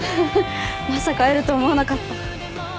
まさか会えると思わなかった。